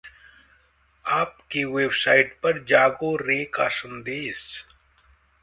आप की वेबसाइट पर 'जागो रे...' का संदेश